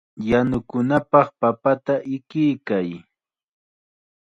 Yanukunapaq papata ikiykay.